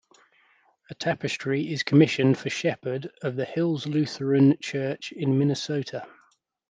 A tapestry is commissioned for Shepherd of the Hills Lutheran Church in Minnesota.